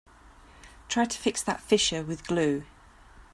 Try to fix that fissure with glue.